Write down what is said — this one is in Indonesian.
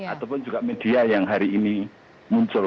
ataupun juga media yang hari ini muncul